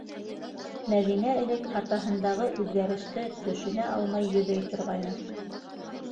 Мәҙинә элек атаһындағы үҙгәреште төшөнә алмай йөҙәй торғайны.